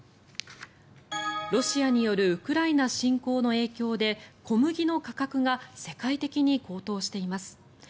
ロシアによるウクライナ侵攻の影響で小麦の価格が世界的に高騰しています。